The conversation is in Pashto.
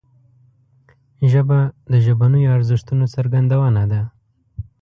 ژبه د ژبنیو ارزښتونو څرګندونه ده